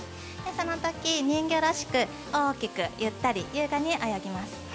そのとき人魚らしく大きくゆったり優雅に泳ぎます。